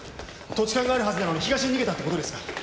土地勘があるはずなのに東に逃げたって事ですか？